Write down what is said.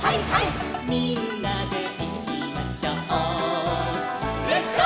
「みんなでいきましょう」